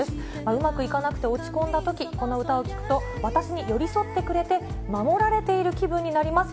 うまくいかなくて落ち込んだとき、この歌を聴くと私に寄り添ってくれて守られている気分になります。